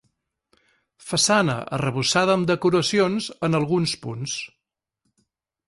Façana arrebossada amb decoracions en alguns punts.